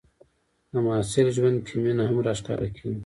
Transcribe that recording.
د محصل ژوند کې مینه هم راښکاره کېږي.